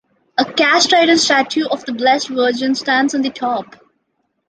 A cast-iron statue of the Blessed Virgin stands on the top.